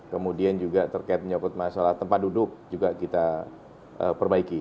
kemudian juga terkait menyakut masalah tempat duduk juga kita perbaiki